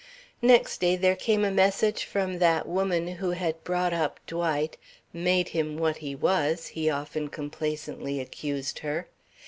Next day there came a message from that woman who had brought up Dwight "made him what he was," he often complacently accused her.